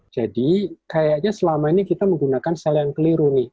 jadi kayaknya selama ini kita menggunakan sel yang keliru nih